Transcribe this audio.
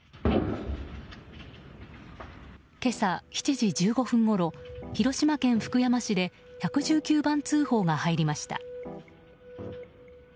今朝７時１５分ごろ広島県福山市で１１９番通報が入りました。